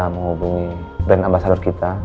menghubungi brand ambasalur kita